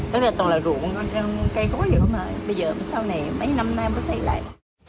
đất này toàn là ruộng cây có gì không hả bây giờ sau này mấy năm nay mới xây lại